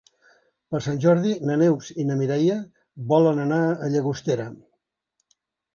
Per Sant Jordi na Neus i na Mireia volen anar a Llagostera.